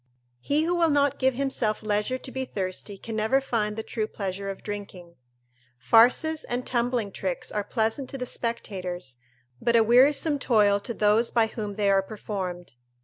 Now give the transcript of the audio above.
He who will not give himself leisure to be thirsty can never find the true pleasure of drinking. Farces and tumbling tricks are pleasant to the spectators, but a wearisome toil to those by whom they are performed.